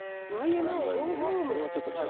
これはちょっと違う。